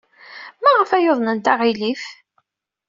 Maɣef ay uḍnent aɣilif?